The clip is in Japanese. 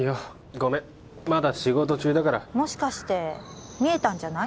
ごめんまだ仕事中だからもしかして見えたんじゃない？